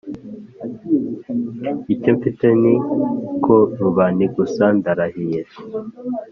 icyo mfite ni korubani gusa ndarahiye